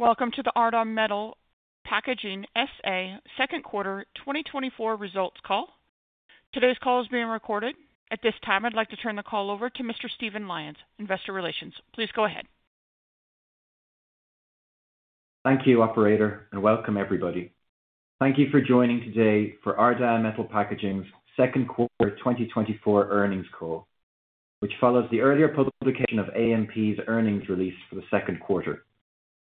Welcome to the Ardagh Metal Packaging S.A. Second Quarter 2024 Results Call. Today's call is being recorded. At this time, I'd like to turn the call over to Mr. Stephen Lyons, Investor Relations. Please go ahead. Thank you, operator, and welcome everybody. Thank you for joining today for Ardagh Metal Packaging's second quarter of 2024 earnings call, which follows the earlier publication of AMP's earnings release for the second quarter.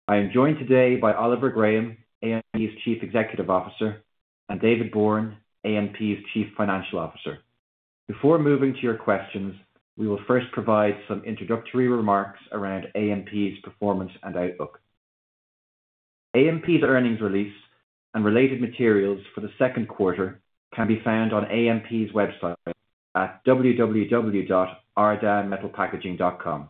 I am joined today by Oliver Graham, AMP's Chief Executive Officer, and David Bourne, AMP's Chief Financial Officer. Before moving to your questions, we will first provide some introductory remarks around AMP's performance and outlook. AMP's earnings release and related materials for the second quarter can be found on AMP's website at www.ardaghmetalpackaging.com.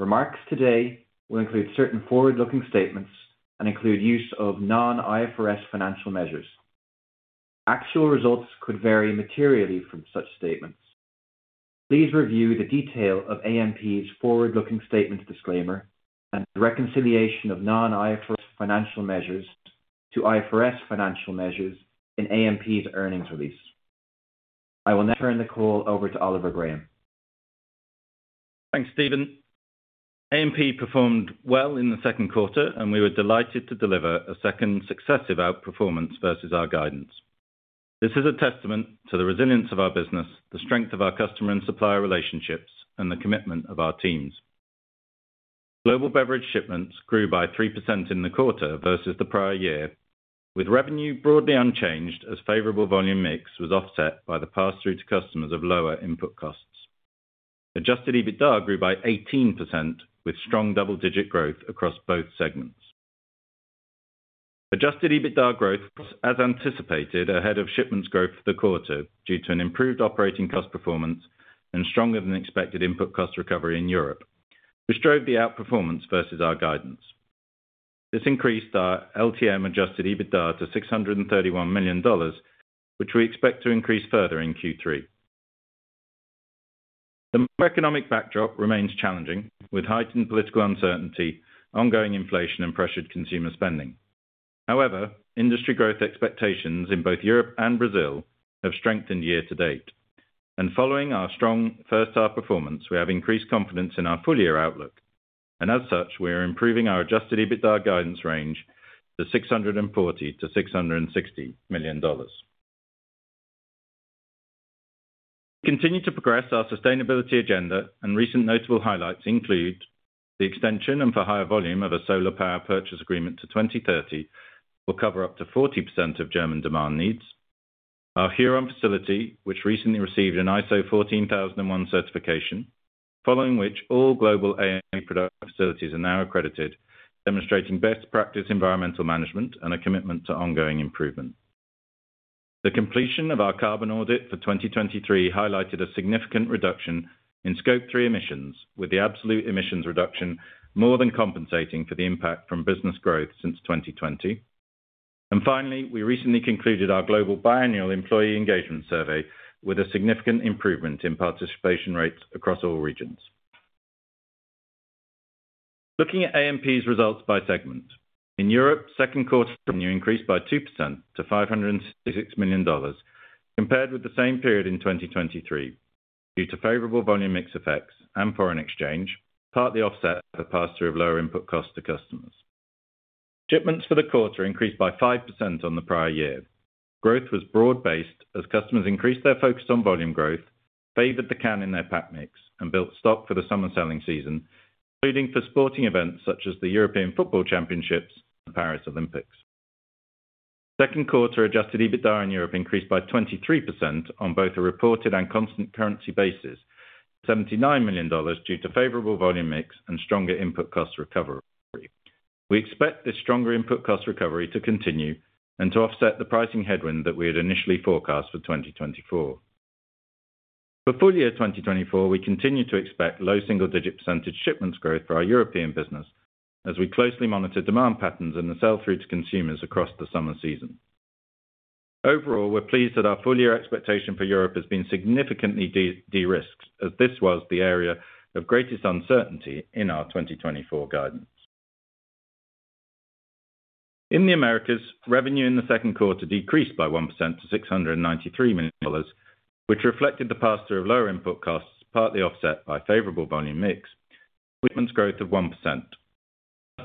Remarks today will include certain forward-looking statements and include use of non-IFRS financial measures. Actual results could vary materially from such statements. Please review the detail of AMP's forward-looking statements disclaimer and the reconciliation of non-IFRS financial measures to IFRS financial measures in AMP's earnings release. I will now turn the call over to Oliver Graham. Thanks, Stephen. AMP performed well in the second quarter, and we were delighted to deliver a second successive outperformance versus our guidance. This is a testament to the resilience of our business, the strength of our customer and supplier relationships, and the commitment of our teams. Global beverage shipments grew by 3% in the quarter versus the prior year, with revenue broadly unchanged as favorable volume mix was offset by the pass-through to customers of lower input costs. Adjusted EBITDA grew by 18%, with strong double-digit growth across both segments. Adjusted EBITDA growth, as anticipated, ahead of shipments growth for the quarter due to an improved operating cost performance and stronger than expected input cost recovery in Europe, which drove the outperformance versus our guidance. This increased our LTM adjusted EBITDA to $631 million, which we expect to increase further in Q3. The economic backdrop remains challenging, with heightened political uncertainty, ongoing inflation, and pressured consumer spending. However, industry growth expectations in both Europe and Brazil have strengthened year-to-date, and following our strong first half performance, we have increased confidence in our full year outlook, and as such, we are improving our Adjusted EBITDA guidance range to $640 million-$660 million. We continue to progress our sustainability agenda, and recent notable highlights include the extension and for higher volume of a solar power purchase agreement to 2030 will cover up to 40% of German demand needs. Our Huron facility, which recently received an ISO 14001 certification, following which all global AMP product facilities are now accredited, demonstrating best practice, environmental management and a commitment to ongoing improvement. The completion of our carbon audit for 2023 highlighted a significant reduction in Scope 3 emissions, with the absolute emissions reduction more than compensating for the impact from business growth since 2020. Finally, we recently concluded our global biannual employee engagement survey with a significant improvement in participation rates across all regions. Looking at AMP's results by segment. In Europe, second quarter revenue increased by 2% to $566 million, compared with the same period in 2023, due to favorable volume mix effects and foreign exchange, partly offset the pass-through of lower input costs to customers. Shipments for the quarter increased by 5% on the prior year. Growth was broad-based as customers increased their focus on volume growth, favored the can in their pack mix, and built stock for the summer selling season, including for sporting events such as the European Football Championships and the Paris Olympics. Second quarter Adjusted EBITDA in Europe increased by 23% on both a reported and constant currency basis, $79 million due to favorable volume mix and stronger input cost recovery. We expect this stronger input cost recovery to continue and to offset the pricing headwind that we had initially forecast for 2024. For full year 2024, we continue to expect low single-digit percentage shipments growth for our European business as we closely monitor demand patterns and the sell-through to consumers across the summer season. Overall, we're pleased that our full year expectation for Europe has been significantly de-risked, as this was the area of greatest uncertainty in our 2024 guidance. In the Americas, revenue in the second quarter decreased by 1% to $693 million, which reflected the pass-through of lower input costs, partly offset by favorable volume mix, with shipments growth of 1%.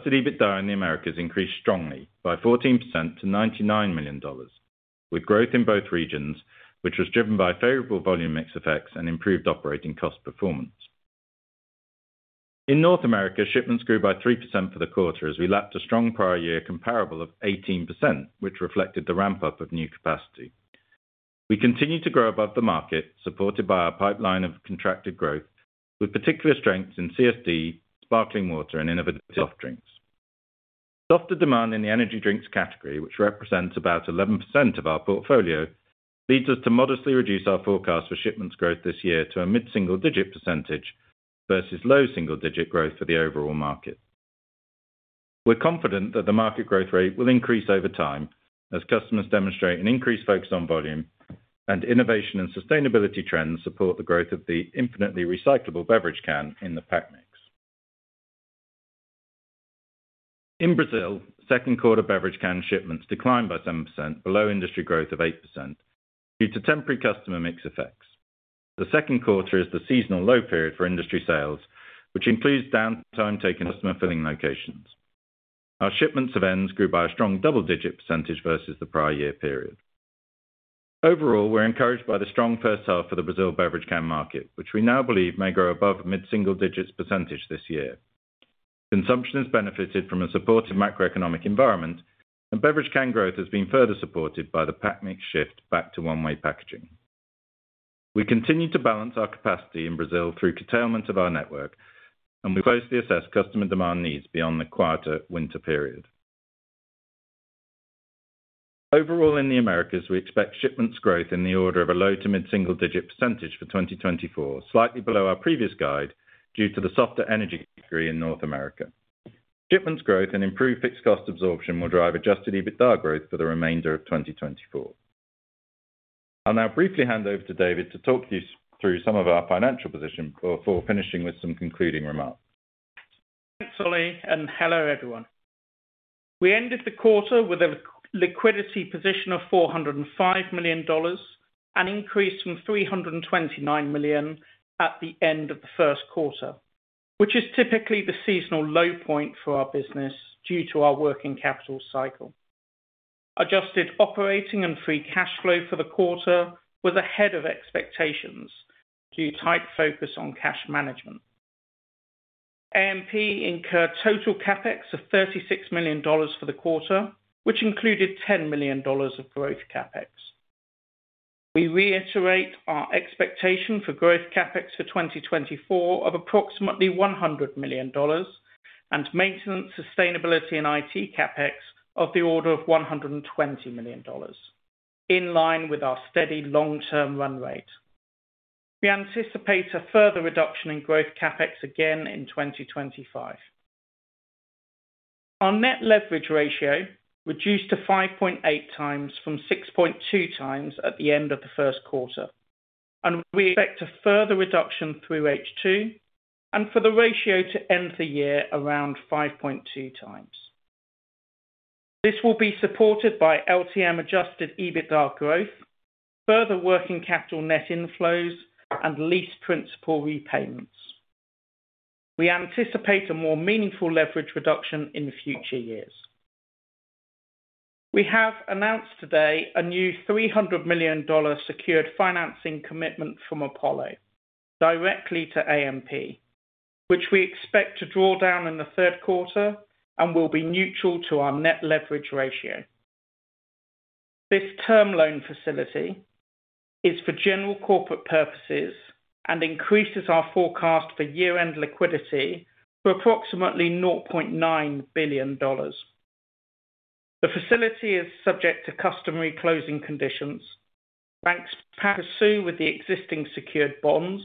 Adjusted EBITDA in the Americas increased strongly by 14% to $99 million, with growth in both regions, which was driven by favorable volume mix effects and improved operating cost performance. In North America, shipments grew by 3% for the quarter as we lapped a strong prior year comparable of 18%, which reflected the ramp-up of new capacity. We continue to grow above the market, supported by our pipeline of contracted growth, with particular strengths in CSD, sparkling water, and innovative soft drinks. Softer demand in the energy drinks category, which represents about 11% of our portfolio, leads us to modestly reduce our forecast for shipments growth this year to a mid-single digit percentage versus low single digit growth for the overall market. We're confident that the market growth rate will increase over time as customers demonstrate an increased focus on volume and innovation and sustainability trends support the growth of the infinitely recyclable beverage can in the pack mix. In Brazil, second quarter beverage can shipments declined by 7%, below industry growth of 8%, due to temporary customer mix effects. The second quarter is the seasonal low period for industry sales, which includes downtime taking customer filling locations. Our shipments of ends grew by a strong double-digit % versus the prior year period. Overall, we're encouraged by the strong first half for the Brazil beverage can market, which we now believe may grow above mid-single digits % this year. Consumption has benefited from a supportive macroeconomic environment, and beverage can growth has been further supported by the pack mix shift back to one-way packaging. We continue to balance our capacity in Brazil through curtailment of our network, and we closely assess customer demand needs beyond the quieter winter period. Overall, in the Americas, we expect shipments growth in the order of a low to mid-single digit % for 2024, slightly below our previous guide, due to the softer energy drinks in North America. Shipments growth and improved fixed cost absorption will drive adjusted EBITDA growth for the remainder of 2024. I'll now briefly hand over to David to talk you through some of our financial position before finishing with some concluding remarks. Thanks, Ollie, and hello, everyone. We ended the quarter with a liquidity position of $405 million, an increase from $329 million at the end of the first quarter, which is typically the seasonal low point for our business due to our working capital cycle. Adjusted operating and free cash flow for the quarter was ahead of expectations due to tight focus on cash management. AMP incurred total CapEx of $36 million for the quarter, which included $10 million of growth CapEx. We reiterate our expectation for growth CapEx for 2024 of approximately $100 million and maintenance, sustainability, and IT CapEx of the order of $120 million, in line with our steady long-term run rate. We anticipate a further reduction in growth CapEx again in 2025. Our net leverage ratio reduced to 5.8 times from 6.2 times at the end of the first quarter, and we expect a further reduction through H2, and for the ratio to end the year around 5.2 times. This will be supported by LTM Adjusted EBITDA growth, further working capital net inflows, and lease principal repayments. We anticipate a more meaningful leverage reduction in future years. We have announced today a new $300 million secured financing commitment from Apollo directly to AMP, which we expect to draw down in the third quarter and will be neutral to our net leverage ratio. This term loan facility is for general corporate purposes and increases our forecast for year-end liquidity to approximately $0.9 billion. The facility is subject to customary closing conditions. Pari passu with the existing secured bonds,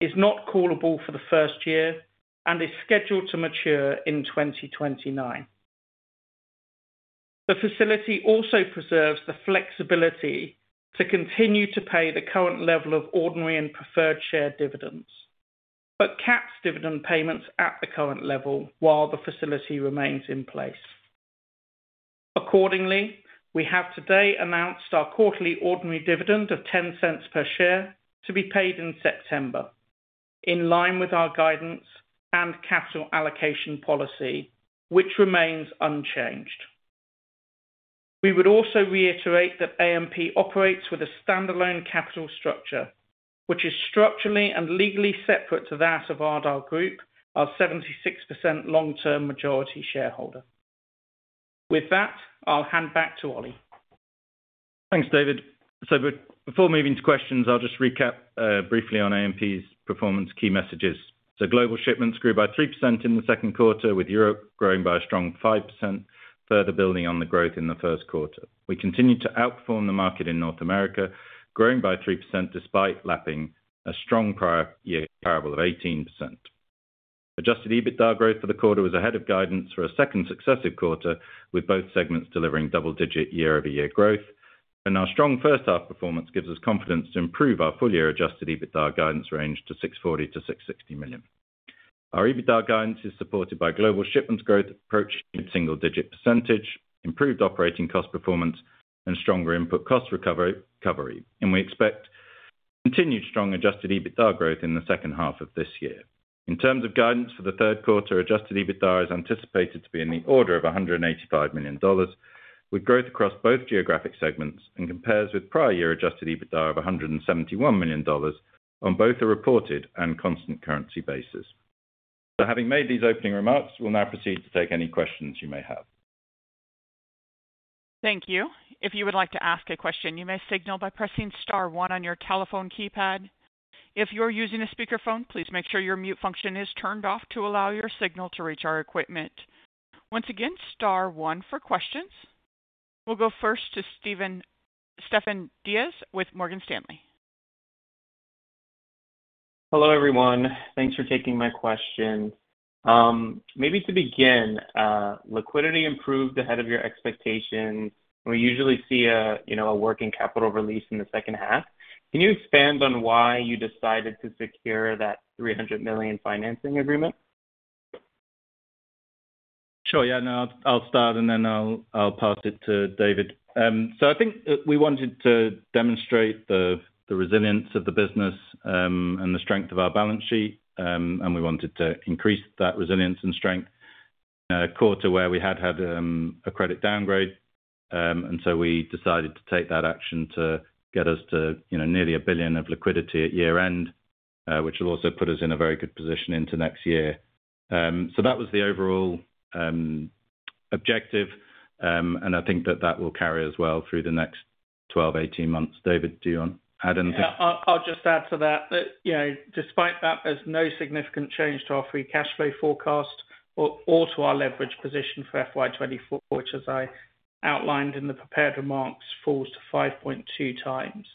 is not callable for the first year, and is scheduled to mature in 2029. The facility also preserves the flexibility to continue to pay the current level of ordinary and preferred share dividends, but caps dividend payments at the current level while the facility remains in place. Accordingly, we have today announced our quarterly ordinary dividend of $0.10 per share to be paid in September, in line with our guidance and capital allocation policy, which remains unchanged. We would also reiterate that AMP operates with a standalone capital structure, which is structurally and legally separate to that of Ardagh Group, our 76% long-term majority shareholder. With that, I'll hand back to Ollie. Thanks, David. So before moving to questions, I'll just recap briefly on AMP's performance key messages. So global shipments grew by 3% in the second quarter, with Europe growing by a strong 5%, further building on the growth in the first quarter. We continued to outperform the market in North America, growing by 3% despite lapping a strong prior year comparable of 18%. Adjusted EBITDA growth for the quarter was ahead of guidance for a second successive quarter, with both segments delivering double-digit year-over-year growth. And our strong first half performance gives us confidence to improve our full-year adjusted EBITDA guidance range to $640 million-$660 million. Our EBITDA guidance is supported by global shipments growth approaching mid-single-digit %, improved operating cost performance, and stronger input cost recovery. And we expect continued strong Adjusted EBITDA growth in the second half of this year. In terms of guidance for the third quarter, Adjusted EBITDA is anticipated to be in the order of $185 million, with growth across both geographic segments and compares with prior year Adjusted EBITDA of $171 million on both a reported and constant currency basis. So having made these opening remarks, we'll now proceed to take any questions you may have. Thank you. If you would like to ask a question, you may signal by pressing star one on your telephone keypad. If you're using a speakerphone, please make sure your mute function is turned off to allow your signal to reach our equipment. Once again, star one for questions. We'll go first to Stefan Diaz with Morgan Stanley. Hello, everyone. Thanks for taking my question. Maybe to begin, liquidity improved ahead of your expectations. We usually see a, you know, a working capital release in the second half. Can you expand on why you decided to secure that $300 million financing agreement? Sure. Yeah, no, I'll start, and then I'll pass it to David. So I think we wanted to demonstrate the resilience of the business, and the strength of our balance sheet, and we wanted to increase that resilience and strength in the quarter where we had a credit downgrade. So we decided to take that action to get us to, you know, nearly $1 billion of liquidity at year-end, which will also put us in a very good position into next year. So that was the overall objective, and I think that will carry as well through the next 12, 18 months. David, do you want to add anything? Yeah, I'll just add to that, that, you know, despite that, there's no significant change to our free cash flow forecast or to our leverage position for FY 2024, which, as I outlined in the prepared remarks, falls to 5.2 times.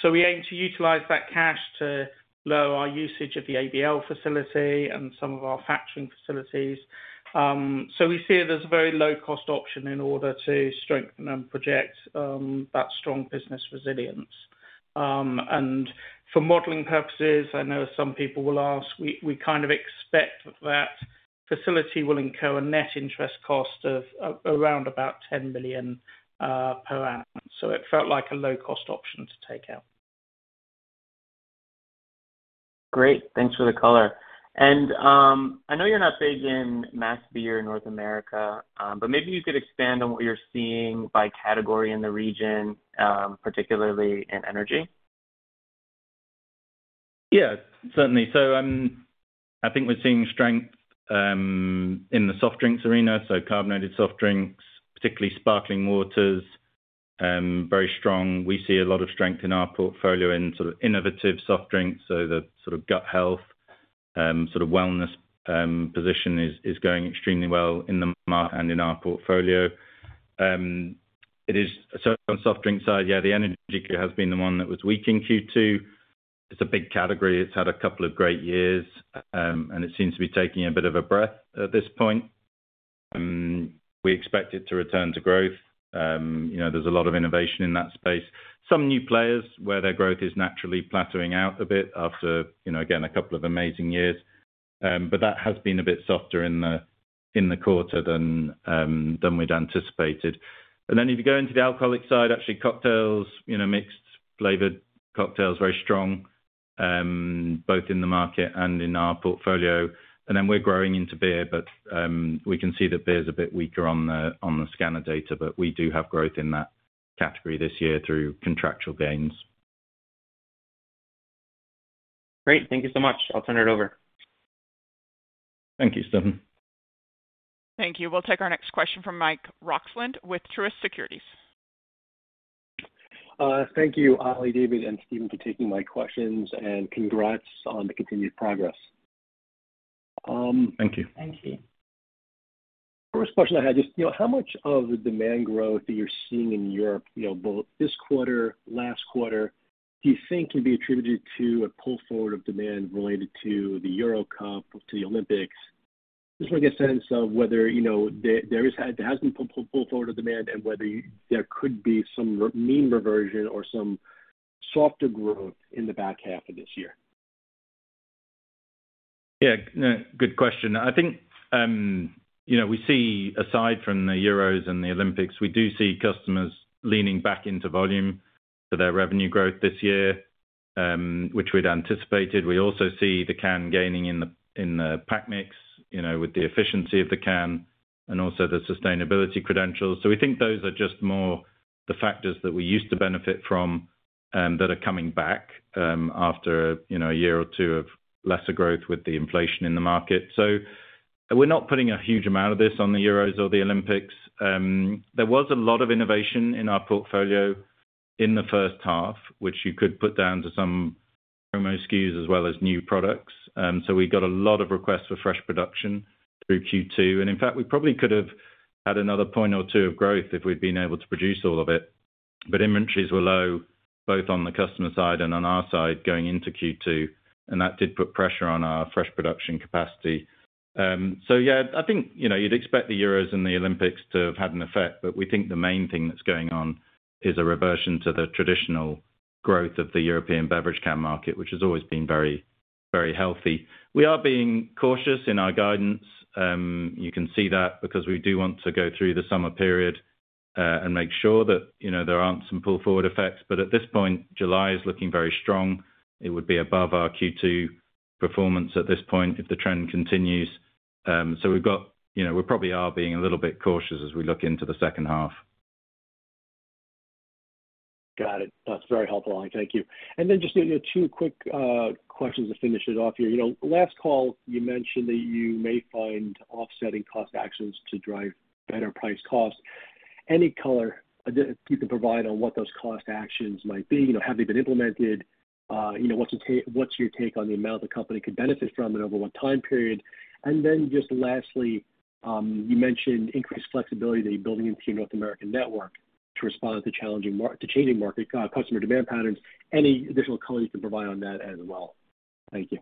So we aim to utilize that cash to lower our usage of the ABL facility and some of our factoring facilities. So we see it as a very low-cost option in order to strengthen and project that strong business resilience. And for modeling purposes, I know some people will ask, we kind of expect that facility will incur a net interest cost of around about $10 million per annum. So it felt like a low-cost option to take out. Great. Thanks for the color. And I know you're not big in mass beer in North America, but maybe you could expand on what you're seeing by category in the region, particularly in energy? Yeah, certainly. So, I think we're seeing strength in the soft drinks arena. So carbonated soft drinks, particularly sparkling waters, very strong. We see a lot of strength in our portfolio in sort of innovative soft drinks, so the sort of gut health, sort of wellness, position is, is going extremely well in the market and in our portfolio. It is, so on soft drink side, yeah, the energy has been the one that was weak in Q2. It's a big category. It's had a couple of great years, and it seems to be taking a bit of a breath at this point. We expect it to return to growth. You know, there's a lot of innovation in that space. Some new players, where their growth is naturally plateauing out a bit after, you know, again, a couple of amazing years. But that has been a bit softer in the quarter than we'd anticipated. And then if you go into the alcoholic side, actually cocktails, you know, mixed flavored cocktails, very strong, both in the market and in our portfolio. And then we're growing into beer, but we can see that beer's a bit weaker on the scanner data, but we do have growth in that category this year through contractual gains. Great. Thank you so much. I'll turn it over. Thank you, Stephen. Thank you. We'll take our next question from Mike Roxland with Truist Securities. Thank you, Ollie, David, and Stephen, for taking my questions, and congrats on the continued progress. Thank you. Thank you. First question I had, just, you know, how much of the demand growth that you're seeing in Europe, you know, both this quarter, last quarter, do you think can be attributed to a pull forward of demand related to the Euro Cup, to the Olympics? Just want to get a sense of whether, you know, there has been pull forward of demand and whether there could be some mean reversion or some softer growth in the back half of this year. Yeah, no, good question. I think, you know, we see, aside from the Euros and the Olympics, we do see customers leaning back into volume for their revenue growth this year, which we'd anticipated. We also see the can gaining in the pack mix, you know, with the efficiency of the can and also the sustainability credentials. So we think those are just more the factors that we used to benefit from, that are coming back, after, you know, a year or two of lesser growth with the inflation in the market. So we're not putting a huge amount of this on the Euros or the Olympics. There was a lot of innovation in our portfolio in the first half, which you could put down to some promo SKUs as well as new products. So we got a lot of requests for fresh production through Q2, and in fact, we probably could have had another point or two of growth if we'd been able to produce all of it. But inventories were low, both on the customer side and on our side, going into Q2, and that did put pressure on our fresh production capacity. So yeah, I think, you know, you'd expect the Euros and the Olympics to have had an effect, but we think the main thing that's going on is a reversion to the traditional growth of the European beverage can market, which has always been very, very healthy. We are being cautious in our guidance. You can see that because we do want to go through the summer period, and make sure that, you know, there aren't some pull-forward effects. But at this point, July is looking very strong. It would be above our Q2 performance at this point if the trend continues. So we've got... You know, we probably are being a little bit cautious as we look into the second half. Got it. That's very helpful, Ollie. Thank you. And then just, you know, two quick questions to finish it off here. You know, last call, you mentioned that you may find offsetting cost actions to drive better price costs. Any color that you can provide on what those cost actions might be? You know, have they been implemented? You know, what's your take on the amount the company could benefit from and over what time period? And then just lastly, you mentioned increased flexibility that you're building into your North American network to respond to changing market customer demand patterns. Any additional color you can provide on that as well? Thank you.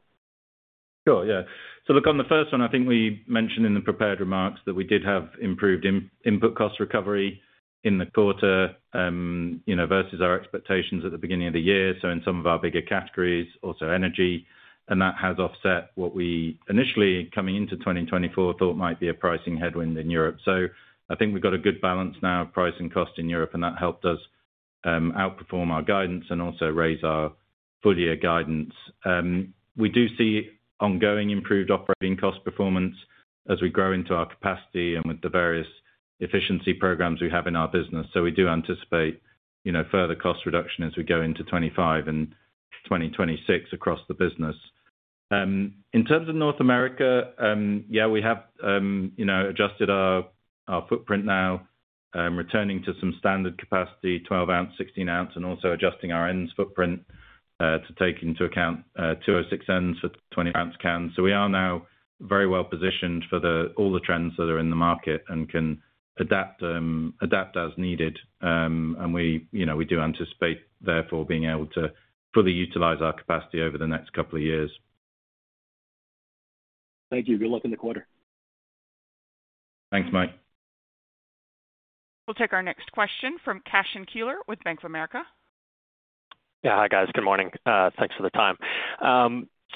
Sure, yeah. So look, on the first one, I think we mentioned in the prepared remarks that we did have improved input cost recovery in the quarter, you know, versus our expectations at the beginning of the year, so in some of our bigger categories, also energy. And that has offset what we initially, coming into 2024, thought might be a pricing headwind in Europe. So I think we've got a good balance now of price and cost in Europe, and that helped us outperform our guidance and also raise our full year guidance. We do see ongoing improved operating cost performance as we grow into our capacity and with the various efficiency programs we have in our business. So we do anticipate, you know, further cost reduction as we go into 2025 and 2026 across the business. In terms of North America, yeah, we have, you know, adjusted our, our footprint now, returning to some standard capacity, 12-ounce, 16-ounce, and also adjusting our ends footprint, to take into account, 206 ends for 20-ounce cans. So we are now very well positioned for the, all the trends that are in the market and can adapt, adapt as needed. And we, you know, we do anticipate, therefore, being able to fully utilize our capacity over the next couple of years. Thank you. Good luck in the quarter. Thanks, Mike. We'll take our next question from Cashen Keeler with Bank of America. Yeah. Hi, guys. Good morning. Thanks for the time.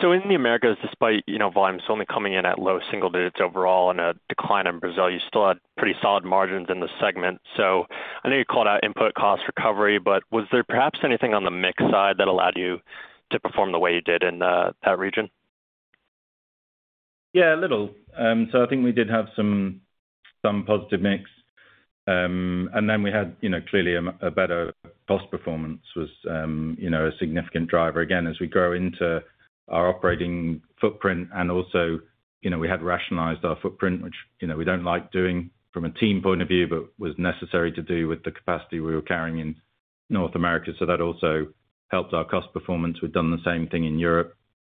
So in the Americas, despite, you know, volumes only coming in at low single digits overall and a decline in Brazil, you still had pretty solid margins in the segment. So I know you called out input cost recovery, but was there perhaps anything on the mix side that allowed you to perform the way you did in that region? Yeah, a little. So I think we did have some positive mix. And then we had, you know, clearly a better cost performance was, you know, a significant driver again, as we grow into our operating footprint. And also, you know, we had rationalized our footprint, which, you know, we don't like doing from a team point of view, but was necessary to do with the capacity we were carrying in North America. So that also helped our cost performance. We've done the same thing in Europe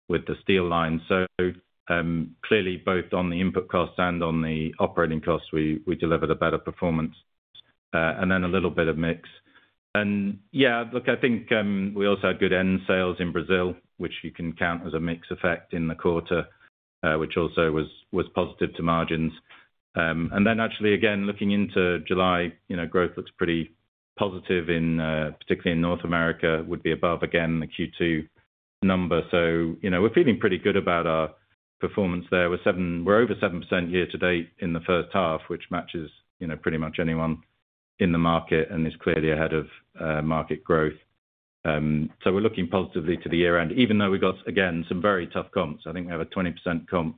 with the steel line. So, clearly, both on the input costs and on the operating costs, we delivered a better performance, and then a little bit of mix. And, yeah, look, I think, we also had good ends sales in Brazil, which you can count as a mix effect in the quarter, which also was, was positive to margins. And then actually, again, looking into July, you know, growth looks pretty positive in, particularly in North America, would be above, again, the Q2 number. So, you know, we're feeling pretty good about our performance there. We're over 7% year-to-date in the first half, which matches, you know, pretty much anyone in the market and is clearly ahead of market growth. So we're looking positively to the year-end, even though we've got, again, some very tough comps. I think we have a 20% comp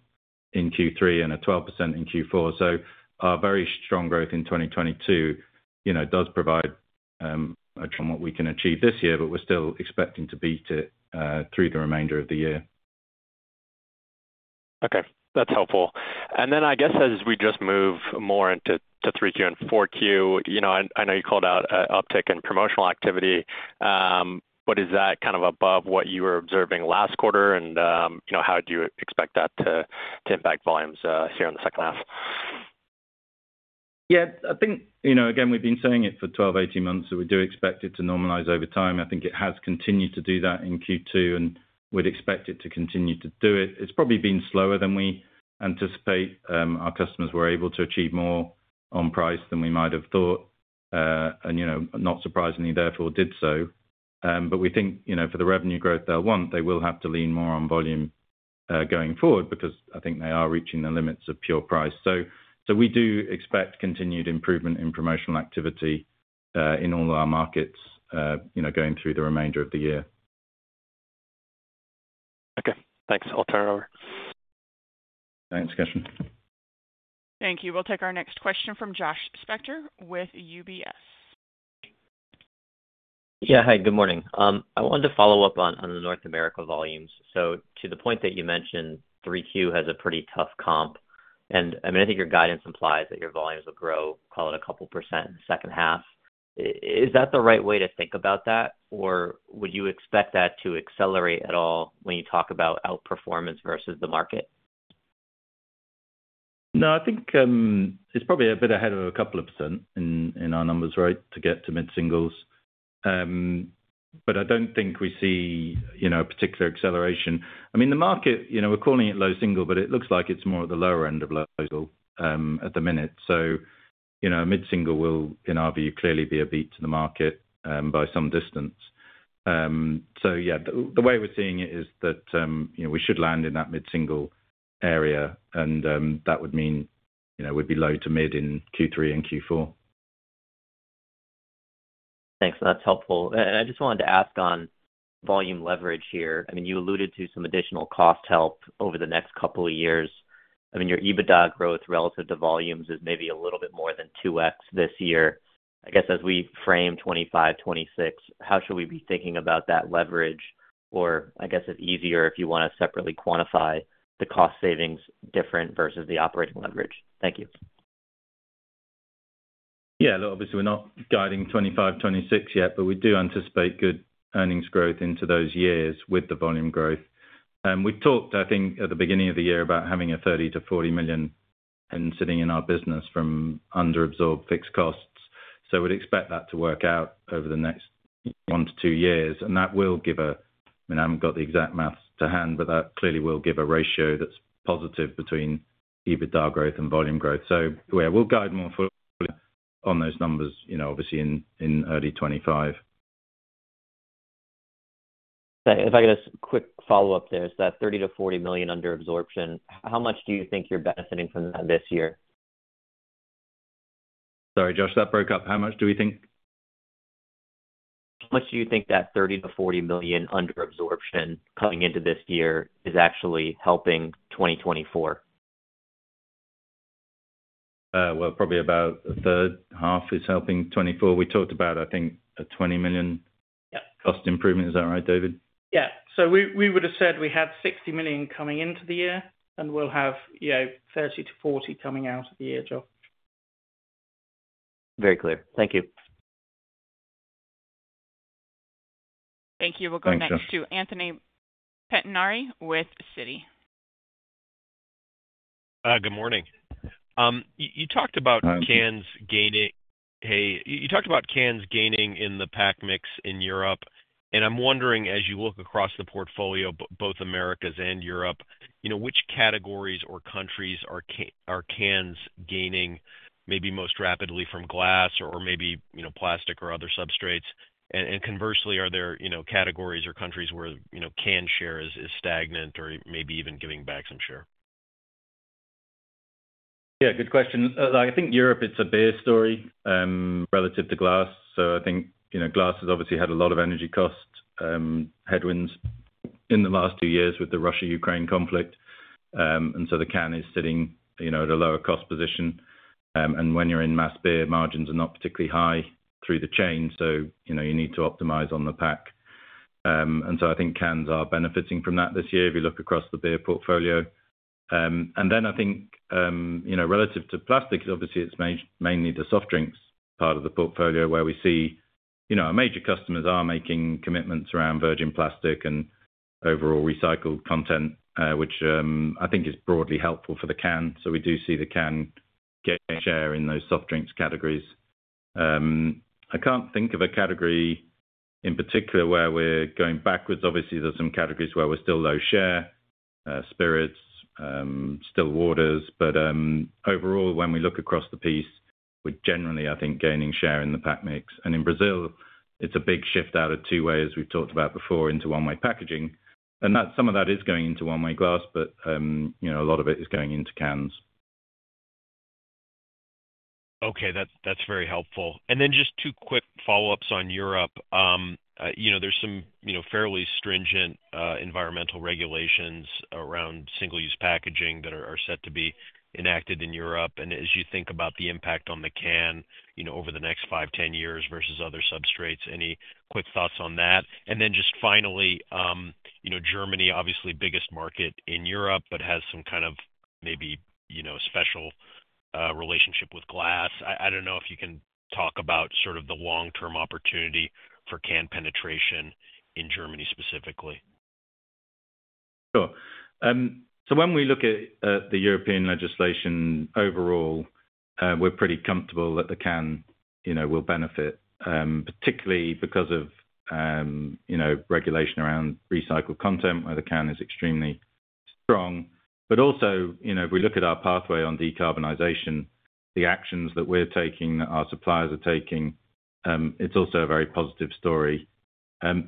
in Q3 and a 12% in Q4. Our very strong growth in 2022, you know, does provide on what we can achieve this year, but we're still expecting to beat it through the remainder of the year. Okay, that's helpful. And then I guess as we just move more into 3Q and 4Q, you know, and I know you called out a uptick in promotional activity, but is that kind of above what you were observing last quarter? And, you know, how do you expect that to impact volumes here in the second half? Yeah, I think, you know, again, we've been saying it for 12, 18 months, that we do expect it to normalize over time. I think it has continued to do that in Q2, and we'd expect it to continue to do it. It's probably been slower than we anticipate. Our customers were able to achieve more on price than we might have thought, and, you know, not surprisingly, therefore did so. But we think, you know, for the revenue growth they'll want, they will have to lean more on volume, going forward, because I think they are reaching the limits of pure price. So, so we do expect continued improvement in promotional activity, in all our markets, you know, going through the remainder of the year. Okay, thanks. I'll turn it over. Thanks, Cashen. Thank you. We'll take our next question from Josh Spector with UBS. Yeah. Hi, good morning. I wanted to follow up on the North America volumes. So to the point that you mentioned, 3Q has a pretty tough comp, and I mean, I think your guidance implies that your volumes will grow, call it a couple% in the second half. Is that the right way to think about that, or would you expect that to accelerate at all when you talk about outperformance versus the market? No, I think it's probably a bit ahead of 2% in our numbers, right? To get to mid-singles. But I don't think we see, you know, a particular acceleration. I mean, the market, you know, we're calling it low single, but it looks like it's more at the lower end of low single at the minute. So, you know, mid-single will, in our view, clearly be a beat to the market by some distance. So yeah, the way we're seeing it is that, you know, we should land in that mid-single area, and that would mean, you know, we'd be low to mid in Q3 and Q4. Thanks, that's helpful. And I just wanted to ask on volume leverage here. I mean, you alluded to some additional cost help over the next couple of years. I mean, your EBITDA growth relative to volumes is maybe a little bit more than 2x this year. I guess as we frame 2025, 2026, how should we be thinking about that leverage? Or I guess it's easier if you wanna separately quantify the cost savings different versus the operating leverage. Thank you. Yeah, look, obviously, we're not guiding 25, 26 yet, but we do anticipate good earnings growth into those years with the volume growth. We talked, I think, at the beginning of the year, about having a $30 million-$40 million and sitting in our business from under absorbed fixed costs. So we'd expect that to work out over the next 1-2 years, and that will give a—I mean, I haven't got the exact math to hand, but that clearly will give a ratio that's positive between EBITDA growth and volume growth. So we'll guide more fully on those numbers, you know, obviously in early 2025. If I get a quick follow-up there, so that $30 million-$40 million under absorption, how much do you think you're benefiting from that this year? Sorry, Josh, that broke up. How much do we think? How much do you think that $30 million-$40 million under absorption coming into this year is actually helping 2024? Well, probably about a third, half is helping 2024. We talked about, I think, a $20 million- Yeah. -cost improvement. Is that right, David? Yeah. So we would have said we had $60 million coming into the year, and we'll have, you know, $30 million-$40 million coming out of the year, Josh. Very clear. Thank you. Thank you. Thanks, Josh. We'll go next to Anthony Pettinari with Citi. Good morning. You talked about- Hi, Anthony. You talked about cans gaining in the pack mix in Europe, and I'm wondering, as you look across the portfolio, both Americas and Europe, you know, which categories or countries are cans gaining maybe most rapidly from glass or maybe, you know, plastic or other substrates? And conversely, are there, you know, categories or countries where, you know, can share is stagnant or maybe even giving back some share? Yeah, good question. I think Europe, it's a beer story relative to glass. So I think, you know, glass has obviously had a lot of energy cost headwinds in the last two years with the Russia-Ukraine conflict. And so the can is sitting, you know, at a lower cost position. And when you're in mass beer, margins are not particularly high through the chain, so, you know, you need to optimize on the pack. And so I think cans are benefiting from that this year if you look across the beer portfolio. And then I think, you know, relative to plastics, obviously it's mainly the soft drinks part of the portfolio where we see, you know, our major customers are making commitments around virgin plastic and overall recycled content, which, I think is broadly helpful for the can. So we do see the can gain share in those soft drinks categories. I can't think of a category in particular where we're going backwards. Obviously, there are some categories where we're still low share, spirits, still waters, but, overall, when we look across the piece, we're generally, I think, gaining share in the pack mix. And in Brazil, it's a big shift out of two-way, as we've talked about before, into one-way packaging, and that, some of that is going into one-way glass, but, you know, a lot of it is going into cans. Okay, that's, that's very helpful. And then just two quick follow-ups on Europe. You know, there's some, you know, fairly stringent environmental regulations around single-use packaging that are, are set to be enacted in Europe. And as you think about the impact on the can, you know, over the next 5, 10 years versus other substrates, any quick thoughts on that? And then just finally, you know, Germany, obviously biggest market in Europe, but has some kind of maybe, you know, special relationship with glass. I don't know if you can talk about sort of the long-term opportunity for can penetration in Germany specifically. Sure. So when we look at the European legislation overall, we're pretty comfortable that the can, you know, will benefit, particularly because of, you know, regulation around recycled content, where the can is extremely strong. But also, you know, if we look at our pathway on decarbonization, the actions that we're taking, that our suppliers are taking, it's also a very positive story.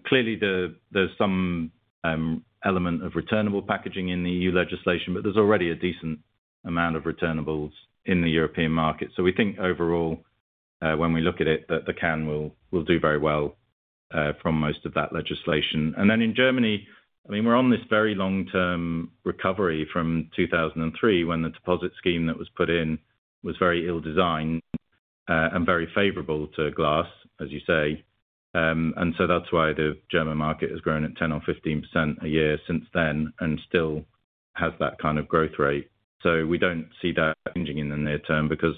Clearly there's some element of returnable packaging in the EU legislation, but there's already a decent amount of returnables in the European market. So we think overall, when we look at it, that the can will do very well from most of that legislation. And then in Germany, I mean, we're on this very long-term recovery from 2003, when the deposit scheme that was put in was very ill-designed, and very favorable to glass, as you say. And so that's why the German market has grown at 10% or 15% a year since then and still has that kind of growth rate. So we don't see that changing in the near term because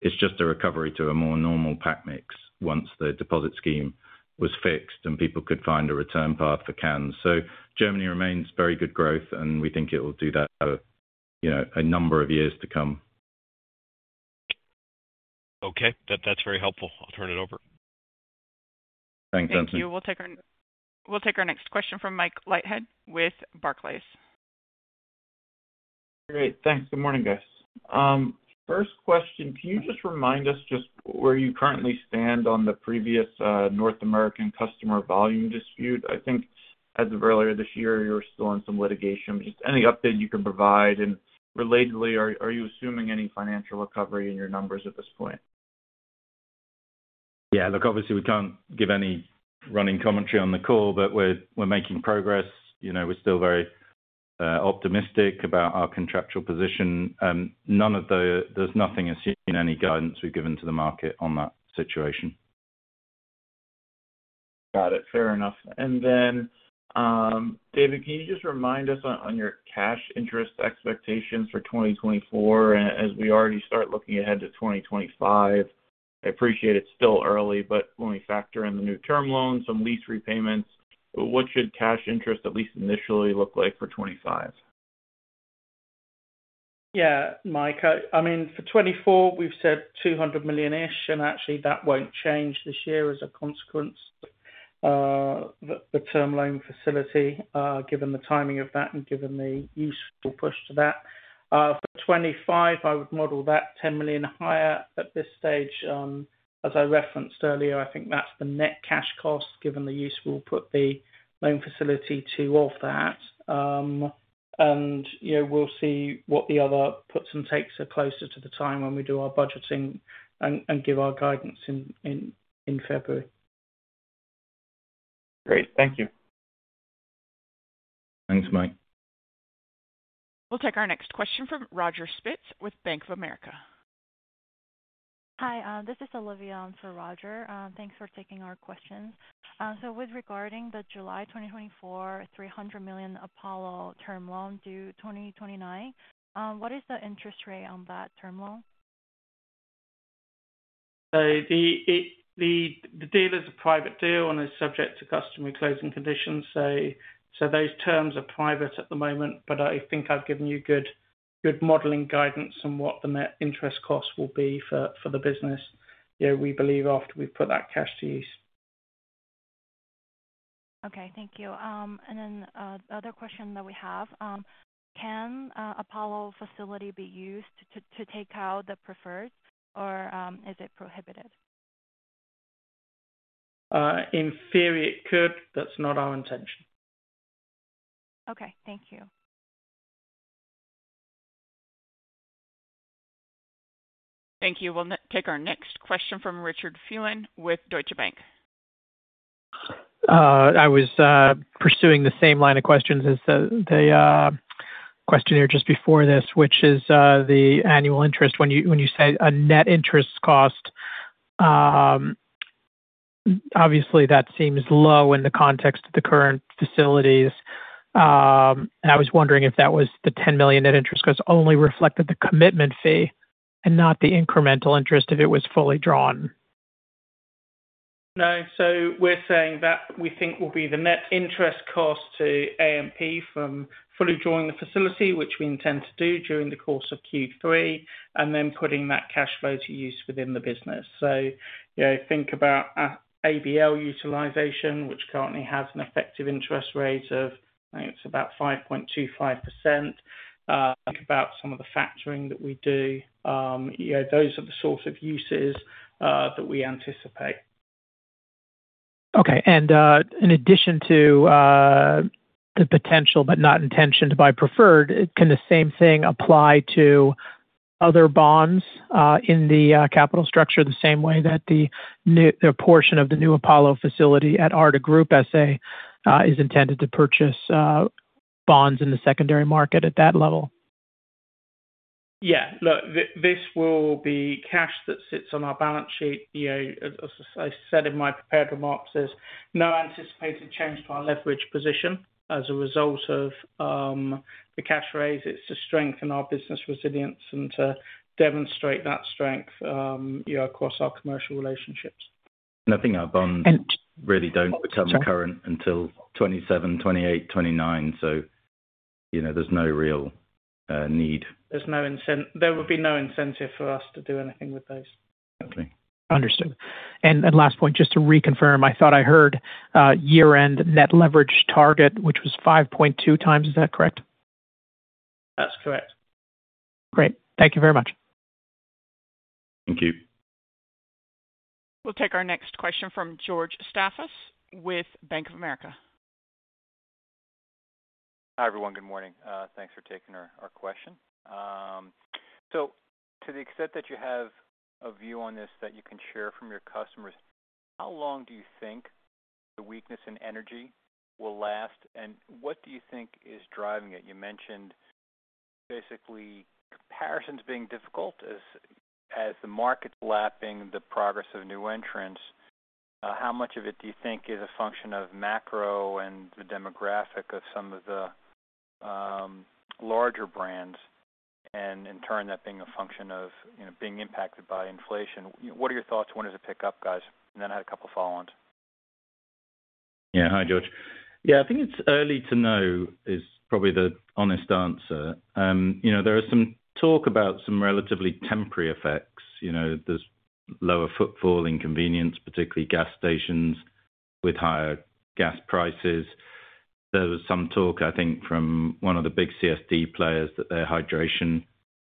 it's just a recovery to a more normal pack mix once the deposit scheme was fixed and people could find a return path for cans. So Germany remains very good growth, and we think it will do that, you know, a number of years to come. Okay, that, that's very helpful. I'll turn it over. Thanks, Anthony. Thank you. We'll take our next question from Mike Leithead with Barclays. Great. Thanks. Good morning, guys. First question, can you just remind us just where you currently stand on the previous North American customer volume dispute? I think as of earlier this year, you were still on some litigation. Just any update you can provide, and relatedly, are you assuming any financial recovery in your numbers at this point? Yeah, look, obviously we can't give any running commentary on the call, but we're making progress. You know, we're still very optimistic about our contractual position. None of the-- there's nothing assumed in any guidance we've given to the market on that situation. Got it. Fair enough. And then, David, can you just remind us on your cash interest expectations for 2024, as we already start looking ahead to 2025? I appreciate it's still early, but when we factor in the new term loans, some lease repayments, what should cash interest, at least initially, look like for 2025? Yeah, Mike, I mean, for 2024, we've said $200 million-ish, and actually that won't change this year as a consequence, the term loan facility, given the timing of that and given the useful push to that. For 2025, I would model that $10 million higher at this stage. As I referenced earlier, I think that's the net cash cost, given the use we'll put the loan facility to of that. And, you know, we'll see what the other puts and takes are closer to the time when we do our budgeting and give our guidance in February. Great. Thank you. Thanks, Mike. We'll take our next question from Roger Spitz with Bank of America. Hi, this is Olivia in for Roger. Thanks for taking our questions. With regard to the July 2024 $300 million Apollo term loan due 2029, what is the interest rate on that term loan? So the deal is a private deal and is subject to customary closing conditions. So those terms are private at the moment, but I think I've given you good modeling guidance on what the net interest costs will be for the business. You know, we believe after we've put that cash to use. Okay. Thank you. And then, the other question that we have: Can Apollo facility be used to take out the preferred, or is it prohibited? In theory, it could. That's not our intention. Okay. Thank you. Thank you. We'll take our next question from Richard Phelan with Deutsche Bank. I was pursuing the same line of questions as the question here just before this, which is the annual interest. When you say a net interest cost, obviously, that seems low in the context of the current facilities. And I was wondering if that was the $10 million net interest cost only reflected the commitment fee and not the incremental interest, if it was fully drawn. No, so we're saying that we think will be the net interest cost to AMP from fully drawing the facility, which we intend to do during the course of Q3, and then putting that cash flow to use within the business. So, you know, think about ABL utilization, which currently has an effective interest rate of, I think, it's about 5.25%. Think about some of the factoring that we do. You know, those are the sort of uses that we anticipate. Okay. And, in addition to the potential but not intention to buy preferred, can the same thing apply to other bonds in the capital structure, the same way that the new—a portion of the new Apollo facility at Ardagh Group S.A. is intended to purchase bonds in the secondary market at that level? Yeah. Look, this will be cash that sits on our balance sheet. You know, as I said in my prepared remarks, there's no anticipated change to our leverage position as a result of the cash raise. It's to strengthen our business resilience and to demonstrate that strength, you know, across our commercial relationships. I think our bonds really don't become current until 2027, 2028, 2029, so, you know, there's no real need. There would be no incentive for us to do anything with those. Okay. Understood. And, and last point, just to reconfirm, I thought I heard year-end net leverage target, which was 5.2 times. Is that correct? That's correct. Great. Thank you very much. Thank you. We'll take our next question from George Staphos with Bank of America. Hi, everyone. Good morning. Thanks for taking our question. So to the extent that you have a view on this that you can share from your customers, how long do you think the weakness in energy will last, and what do you think is driving it? You mentioned basically comparisons being difficult as the market lapping the progress of new entrants. How much of it do you think is a function of macro and the demographic of some of the larger brands, and in turn, that being a function of, you know, being impacted by inflation? What are your thoughts? When does it pick up, guys? And then I had a couple of follow-ons. Yeah. Hi, George. Yeah, I think it's early to know, is probably the honest answer. You know, there is some talk about some relatively temporary effects. You know, there's lower footfall inconvenience, particularly gas stations with higher gas prices. There was some talk, I think, from one of the big CSD players, that their hydration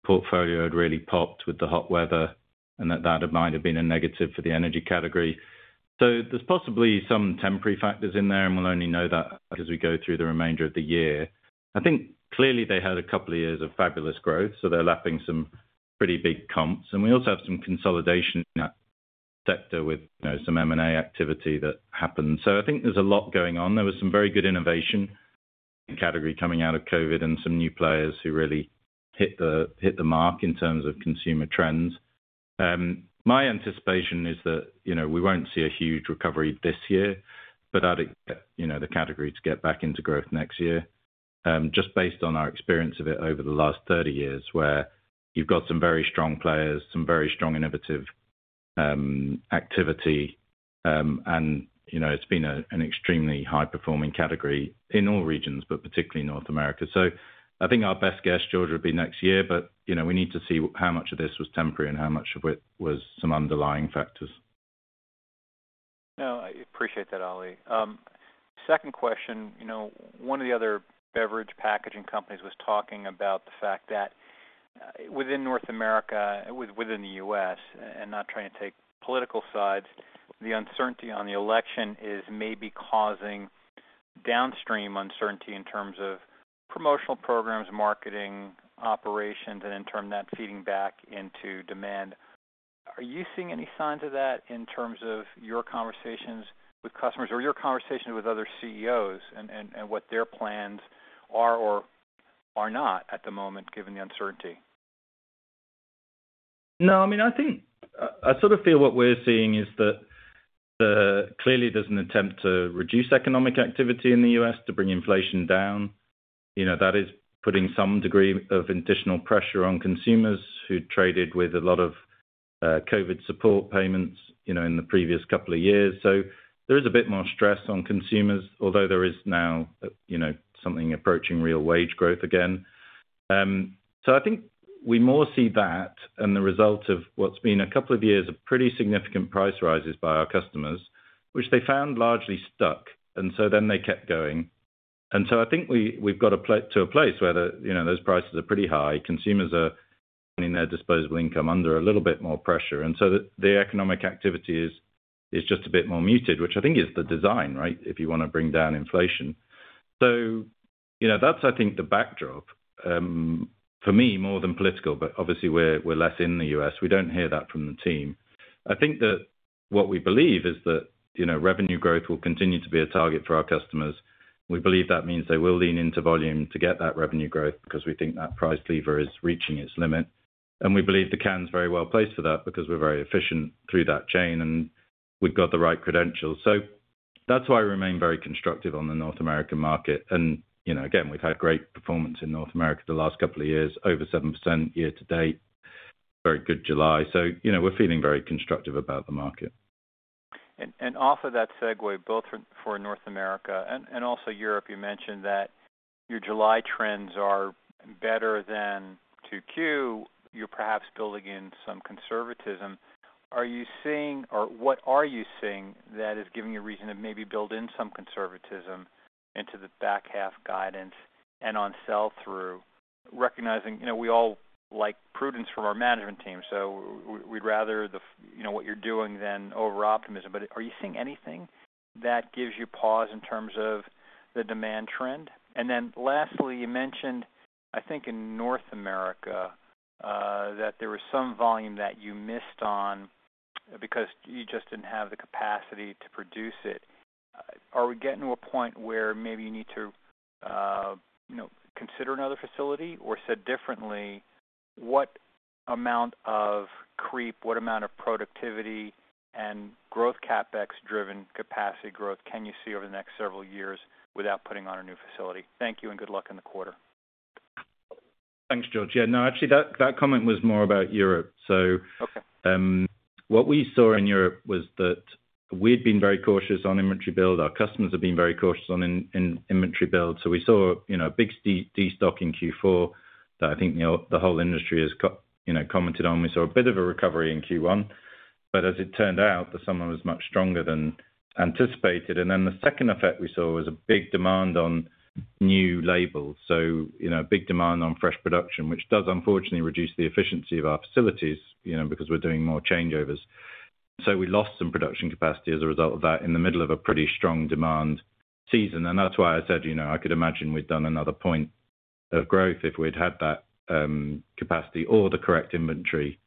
portfolio had really popped with the hot weather, and that, that might have been a negative for the energy category. So there's possibly some temporary factors in there, and we'll only know that as we go through the remainder of the year. I think clearly they had a couple of years of fabulous growth, so they're lapping some pretty big comps. And we also have some consolidation in that sector with, you know, some M&A activity that happened. So I think there's a lot going on. There was some very good innovation in the category coming out of Covid and some new players who really hit the mark in terms of consumer trends. My anticipation is that, you know, we won't see a huge recovery this year, but I'd expect, you know, the category to get back into growth next year. Just based on our experience of it over the last 30 years, where you've got some very strong players, some very strong innovative activity, and, you know, it's been a, an extremely high performing category in all regions, but particularly North America. So I think our best guess, George, would be next year, but, you know, we need to see how much of this was temporary and how much of it was some underlying factors. No, I appreciate that, Ollie. Second question, you know, one of the other beverage packaging companies was talking about the fact that, within North America, within the U.S., and not trying to take political sides, the uncertainty on the election is maybe causing downstream uncertainty in terms of promotional programs, marketing, operations, and in turn, that feeding back into demand. Are you seeing any signs of that in terms of your conversations with customers or your conversations with other CEOs and what their plans are or are not at the moment, given the uncertainty? No, I mean, I think... I, I sort of feel what we're seeing is that the, clearly, there's an attempt to reduce economic activity in the U.S. to bring inflation down. You know, that is putting some degree of additional pressure on consumers who traded with a lot of, COVID support payments, you know, in the previous couple of years. So there is a bit more stress on consumers, although there is now, you know, something approaching real wage growth again. So I think we more see that and the result of what's been a couple of years of pretty significant price rises by our customers, which they found largely stuck, and so then they kept going. And so I think we, we've got to a place where the, you know, those prices are pretty high. Consumers are, meaning their disposable income under a little bit more pressure. So the economic activity is just a bit more muted, which I think is the design, right? If you want to bring down inflation. So, you know, that's, I think, the backdrop for me, more than political, but obviously, we're less in the U.S. We don't hear that from the team. I think that what we believe is that, you know, revenue growth will continue to be a target for our customers. We believe that means they will lean into volume to get that revenue growth, because we think that price lever is reaching its limit. And we believe the can is very well placed for that, because we're very efficient through that chain, and we've got the right credentials. So that's why I remain very constructive on the North American market, and, you know, again, we've had great performance in North America the last couple of years, over 7% year-to-date, very good July. So, you know, we're feeling very constructive about the market. And off of that segue, both for North America and also Europe, you mentioned that your July trends are better than 2Q. You're perhaps building in some conservatism. Are you seeing or what are you seeing that is giving you reason to maybe build in some conservatism into the back half guidance and on sell-through, recognizing, you know, we all like prudence from our management team, so we'd rather the, you know, what you're doing than overoptimism. But are you seeing anything that gives you pause in terms of the demand trend? And then lastly, you mentioned, I think, in North America, that there was some volume that you missed on because you just didn't have the capacity to produce it. Are we getting to a point where maybe you need to, you know, consider another facility, or said differently, what amount of creep, what amount of productivity and growth CapEx-driven capacity growth can you see over the next several years without putting on a new facility? Thank you, and good luck in the quarter. Thanks, George. Yeah, no, actually, that, that comment was more about Europe. Okay. So, what we saw in Europe was that we'd been very cautious on inventory build. Our customers have been very cautious on inventory build. So we saw, you know, a big destock in Q4 that I think, you know, the whole industry has commented on. We saw a bit of a recovery in Q1, but as it turned out, the summer was much stronger than anticipated. And then the second effect we saw was a big demand on new labels. So, you know, big demand on fresh production, which does unfortunately reduce the efficiency of our facilities, you know, because we're doing more changeovers. So we lost some production capacity as a result of that in the middle of a pretty strong demand season. That's why I said, you know, I could imagine we'd done another point of growth if we'd had that, capacity or the correct inventory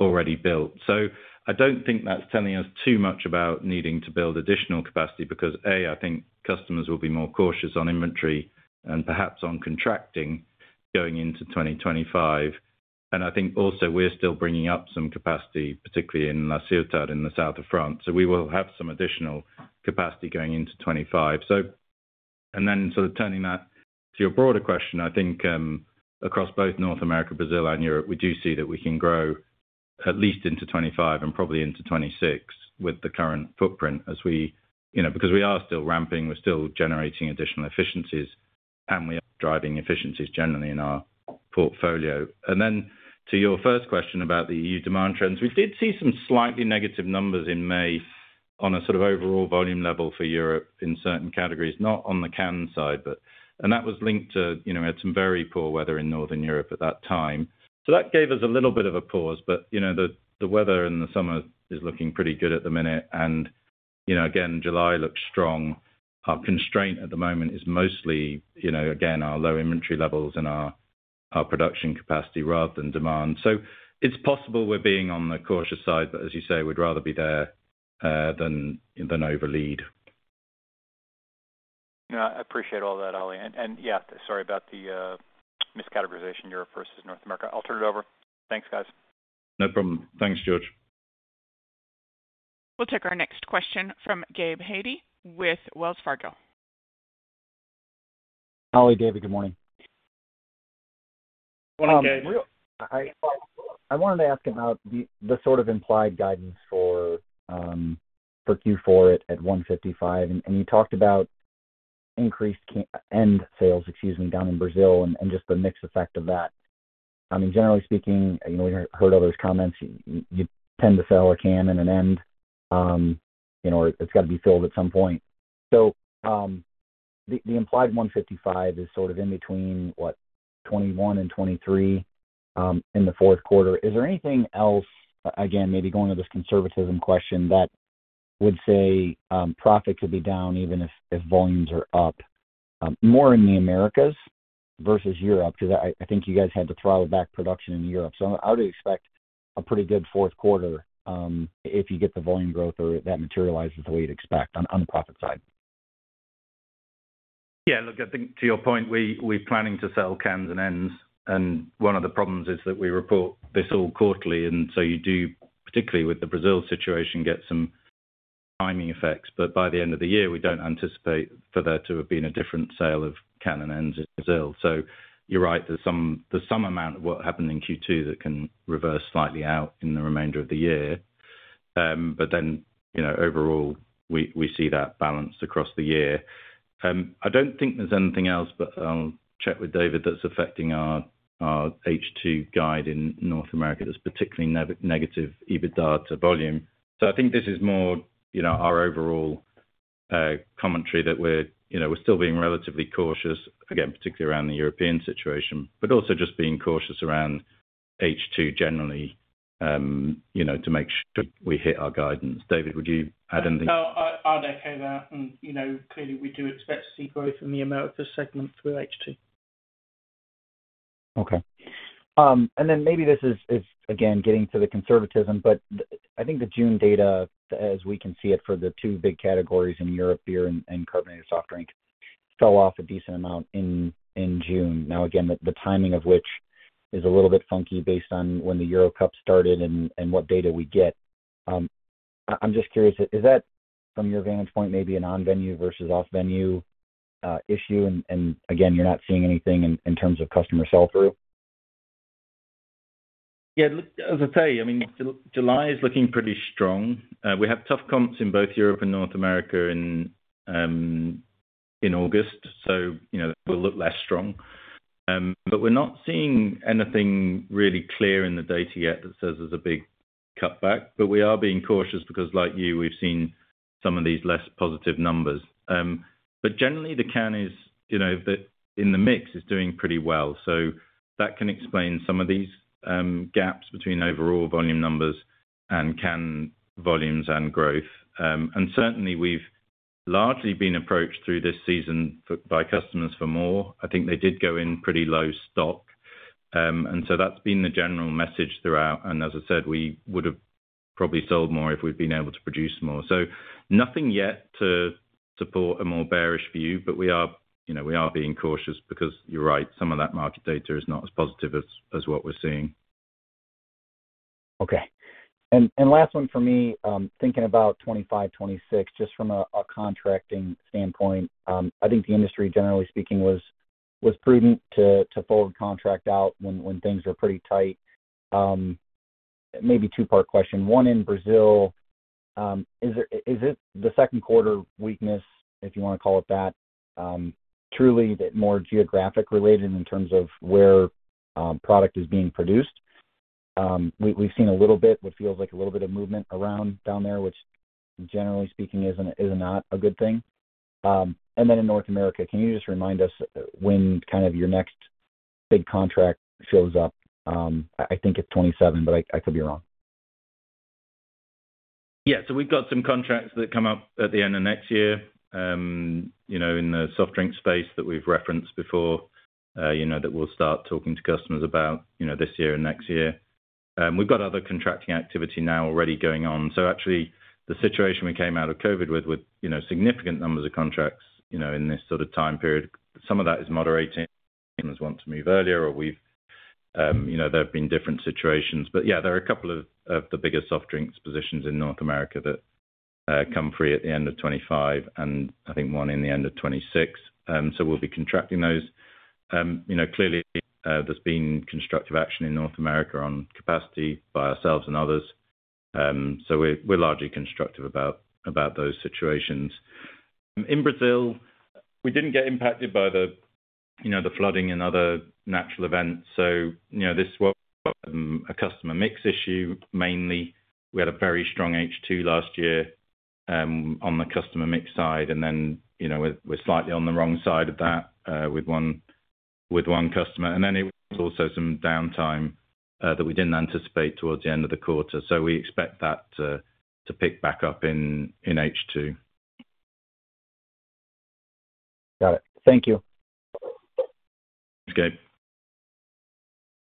already built. So I don't think that's telling us too much about needing to build additional capacity because, A, I think customers will be more cautious on inventory and perhaps on contracting going into 2025. And I think also we're still bringing up some capacity, particularly in La Ciotat, in the south of France. So we will have some additional capacity going into 2025. So. And then sort of turning that to your broader question, I think, across both North America, Brazil, and Europe, we do see that we can grow at least into 2025 and probably into 2026 with the current footprint. As we, you know, because we are still ramping, we're still generating additional efficiencies, and we are driving efficiencies generally in our portfolio. Then to your first question about the EU demand trends, we did see some slightly negative numbers in May on a sort of overall volume level for Europe in certain categories, not on the can side, but... And that was linked to, you know, we had some very poor weather in Northern Europe at that time. So that gave us a little bit of a pause, but, you know, the weather in the summer is looking pretty good at the minute, and, you know, again, July looks strong. Our constraint at the moment is mostly, you know, again, our low inventory levels and our production capacity rather than demand. It's possible we're being on the cautious side, but as you say, we'd rather be there than overlead. Yeah, I appreciate all that, Ollie. Yeah, sorry about the miscategorization, Europe versus North America. I'll turn it over. Thanks, guys. No problem. Thanks, George. We'll take our next question from Gabe Hajde with Wells Fargo. Hi, David, good morning. Good morning, Gabe. I wanted to ask about the sort of implied guidance for Q4 at $155. And you talked about increased end sales, excuse me, down in Brazil and just the mix effect of that. I mean, generally speaking, you know, we heard all those comments. You tend to sell a can and an end, you know, it's got to be filled at some point. So, the implied $155 is sort of in between, what? 21 and 23, in the fourth quarter. Is there anything else, again, maybe going to this conservatism question, that would say profit could be down even if volumes are up, more in the Americas versus Europe? Because I think you guys had to throttle back production in Europe. So I would expect a pretty good fourth quarter, if you get the volume growth or if that materializes the way you'd expect on, on the profit side. Yeah, look, I think to your point, we're planning to sell cans and ends, and one of the problems is that we report this all quarterly, and so you do, particularly with the Brazil situation, get some timing effects. But by the end of the year, we don't anticipate for there to have been a different sale of can and ends in Brazil. So you're right, there's some amount of what happened in Q2 that can reverse slightly out in the remainder of the year. But then, you know, overall, we see that balanced across the year. I don't think there's anything else, but I'll check with David, that's affecting our H2 guide in North America. That's particularly negative EBITDA to volume. So I think this is more, you know, our overall commentary that we're, you know, we're still being relatively cautious, again, particularly around the European situation, but also just being cautious around H2 generally, you know, to make sure we hit our guidance. David, would you add anything? No, I'd echo that. And, you know, clearly, we do expect to see growth in the Americas segment through H2. Okay. And then maybe this is again getting to the conservatism, but the... I think the June data, as we can see it for the two big categories in Europe, beer and carbonated soft drink, fell off a decent amount in June. Now, again, the timing of which is a little bit funky based on when the Euro Cup started and what data we get. I'm just curious, is that from your vantage point, maybe an on-venue versus off-venue issue? And again, you're not seeing anything in terms of customer sell-through? Yeah, look, as I tell you, I mean, July is looking pretty strong. We have tough comps in both Europe and North America in August, so you know, we'll look less strong. But we're not seeing anything really clear in the data yet that says there's a big cutback, but we are being cautious because, like you, we've seen some of these less positive numbers. But generally, the can is, you know, in the mix, is doing pretty well. So that can explain some of these gaps between overall volume numbers and can volumes and growth. And certainly, we've largely been approached through this season by customers for more. I think they did go in pretty low stock. And so that's been the general message throughout. As I said, we would have probably sold more if we'd been able to produce more. Nothing yet to support a more bearish view, but we are, you know, we are being cautious because you're right, some of that market data is not as positive as what we're seeing. Okay. And last one for me, thinking about 25, 26, just from a contracting standpoint, I think the industry, generally speaking, was prudent to forward contract out when things are pretty tight. Maybe two-part question. One in Brazil, is it the second quarter weakness, if you want to call it that, truly the more geographic related in terms of where product is being produced? We've seen a little bit, what feels like a little bit of movement around down there, which generally speaking, is not a good thing. And then in North America, can you just remind us when kind of your next big contract shows up? I think it's 27, but I could be wrong. Yeah, so we've got some contracts that come up at the end of next year, you know, in the soft drink space that we've referenced before, you know, that we'll start talking to customers about, you know, this year and next year. We've got other contracting activity now already going on. So actually, the situation we came out of COVID with, with you know, significant numbers of contracts, you know, in this sort of time period, some of that is moderating, want to move earlier or we've, you know, there have been different situations. But yeah, there are a couple of the bigger soft drinks positions in North America that come free at the end of 2025 and I think one in the end of 2026. So we'll be contracting those. You know, clearly, there's been constructive action in North America on capacity by ourselves and others. So we're largely constructive about those situations. In Brazil, we didn't get impacted by the, you know, the flooding and other natural events, so you know, this was a customer mix issue. Mainly, we had a very strong H2 last year on the customer mix side, and then, you know, we're slightly on the wrong side of that with one customer. And then it was also some downtime that we didn't anticipate towards the end of the quarter. So we expect that to pick back up in H2. Got it. Thank you. Thanks, Gabe.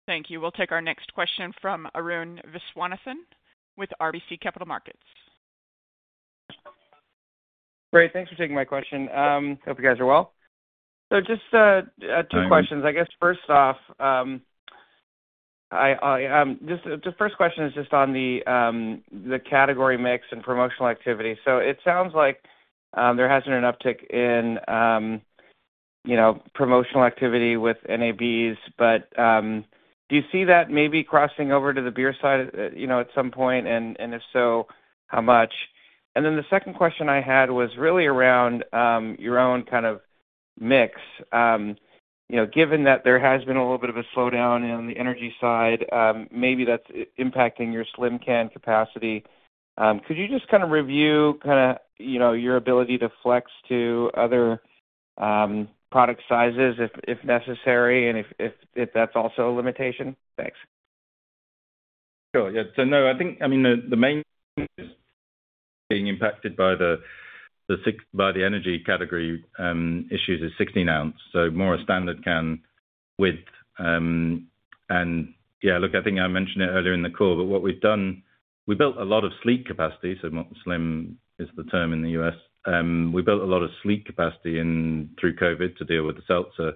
Thank you. We'll take our next question from Arun Viswanathan with RBC Capital Markets. Great, thanks for taking my question. Hope you guys are well. So just two questions. I guess first off, just the first question is just on the category mix and promotional activity. So it sounds like there has been an uptick in, you know, promotional activity with NABs, but do you see that maybe crossing over to the beer side, you know, at some point? And if so, how much? And then the second question I had was really around your own kind of mix. You know, given that there has been a little bit of a slowdown on the energy side, maybe that's impacting your Slim can capacity, could you just kind of review kinda, you know, your ability to flex to other product sizes if, if, if that's also a limitation? Thanks. Sure. Yeah. So no, I think, I mean, the main being impacted by the sixteen- by the energy category issues is 16-ounce, so more a standard can width. And, yeah, look, I think I mentioned it earlier in the call, but what we've done, we built a lot of Sleek capacity, so not Slim is the term in the US. We built a lot of Sleek capacity in, through COVID to deal with the seltzer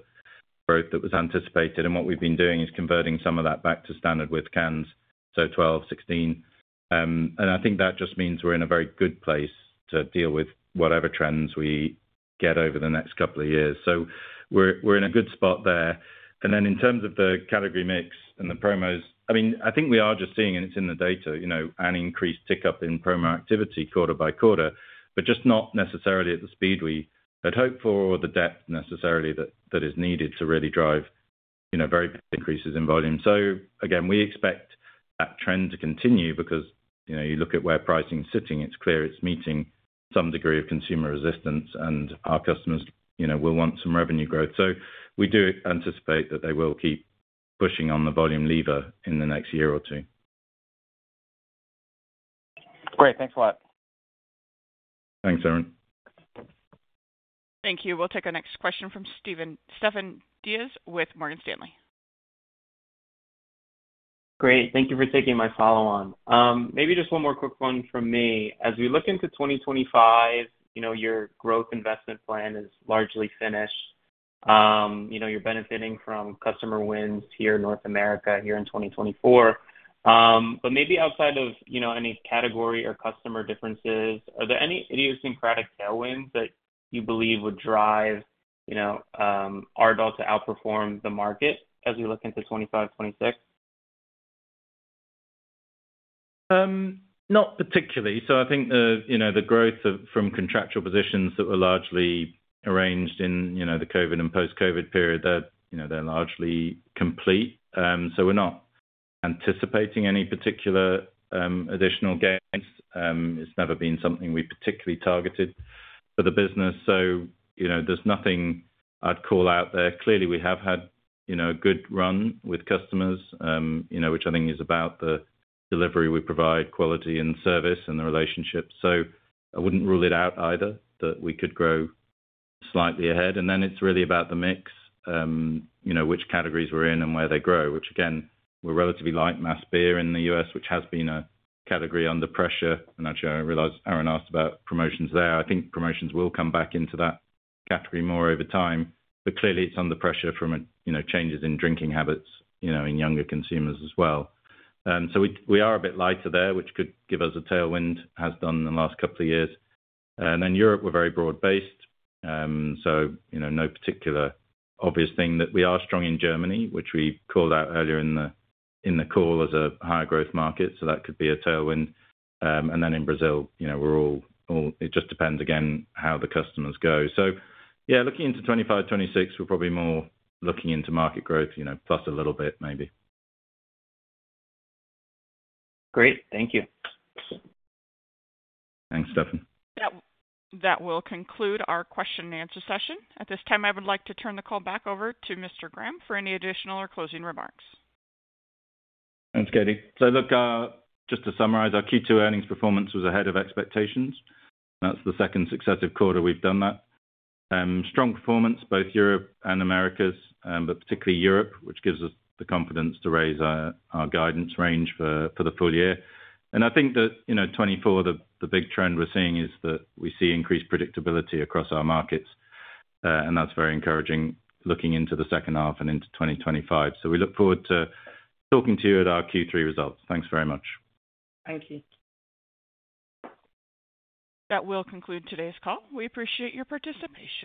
growth that was anticipated, and what we've been doing is converting some of that back to standard width cans, so 12, 16. And I think that just means we're in a very good place to deal with whatever trends we get over the next couple of years. So we're in a good spot there. And then in terms of the category mix and the promos, I mean, I think we are just seeing, and it's in the data, you know, an increased tick up in promo activity quarter by quarter, but just not necessarily at the speed we had hoped for or the depth necessarily that, that is needed to really drive, you know, very big increases in volume. So again, we expect that trend to continue because, you know, you look at where pricing is sitting, it's clear it's meeting some degree of consumer resistance, and our customers, you know, will want some revenue growth. So we do anticipate that they will keep pushing on the volume lever in the next year or two. Great. Thanks a lot. Thanks, Arun. Thank you. We'll take our next question from Stefan Diaz with Morgan Stanley. Great. Thank you for taking my follow on. Maybe just one more quick one from me. As we look into 2025, you know, your growth investment plan is largely finished. You know, you're benefiting from customer wins here in North America here in 2024. But maybe outside of, you know, any category or customer differences, are there any idiosyncratic tailwinds that you believe would drive, you know, Ardagh to outperform the market as we look into 2025, 2026? Not particularly. So I think the, you know, the growth from contractual positions that were largely arranged in, you know, the COVID and post-COVID period, they're, you know, they're largely complete. So we're not anticipating any particular additional gains. It's never been something we particularly targeted for the business. So, you know, there's nothing I'd call out there. Clearly, we have had, you know, a good run with customers, you know, which I think is about the delivery we provide, quality and service, and the relationship. So I wouldn't rule it out either, that we could grow slightly ahead. And then it's really about the mix, you know, which categories we're in and where they grow, which, again, we're relatively light in mass beer in the U.S., which has been a category under pressure. And actually, I realize Arun asked about promotions there. I think promotions will come back into that category more over time, but clearly, it's under pressure from a you know changes in drinking habits you know in younger consumers as well. So we are a bit lighter there, which could give us a tailwind, has done in the last couple of years. And then Europe, we're very broad based. So you know no particular obvious thing that we are strong in Germany, which we called out earlier in the call as a higher growth market, so that could be a tailwind. And then in Brazil, you know we're all it just depends again how the customers go. So yeah, looking into 25, 26, we're probably more looking into market growth you know plus a little bit maybe. Great. Thank you. Thanks, Stefan. That will conclude our question and answer session. At this time, I would like to turn the call back over to Mr. Graham for any additional or closing remarks. Thanks, Katie. So look, just to summarize, our Q2 earnings performance was ahead of expectations. That's the second successive quarter we've done that. Strong performance, both Europe and Americas, but particularly Europe, which gives us the confidence to raise our, our guidance range for, for the full year. And I think that, you know, 2024, the, the big trend we're seeing is that we see increased predictability across our markets, and that's very encouraging looking into the second half and into 2025. So we look forward to talking to you at our Q3 results. Thanks very much. Thank you. That will conclude today's call. We appreciate your participation.